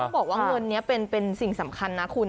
บอกว่าเงินนี้เป็นสิ่งสำคัญนะคุณ